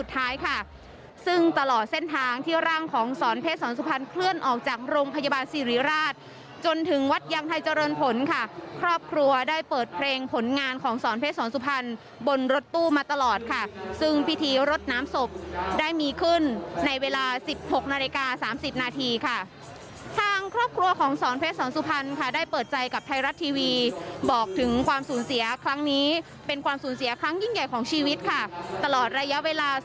ทางไทยเจริญผลค่ะครอบครัวได้เปิดเพลงผลงานของสอนเพชรสอนสุพรณบนรถตู้มาตลอดค่ะซึ่งพิธีรถน้ำศพได้มีขึ้นในเวลาสิบหกนาฬิกาสามสิบนาทีค่ะทางครอบครัวของสอนเพชรสอนสุพรณค่ะได้เปิดใจกับไทรัตทีวีบอกถึงความสูญเสียครั้งนี้เป็นความสูญเสียครั้งยิ่งใหญ่ของชีวิตค่ะตลอดระยะเวล